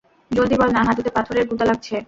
জলদি বল না, হাটুতে পাথরের গুতা লাগছে!